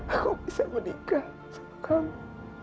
aku bisa menikah sama kamu